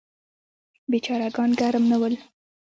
بیچاره ګان ګرم نه ول.